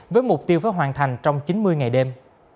với mục tiêu phải hoàn thành trong chín mươi ngày đêm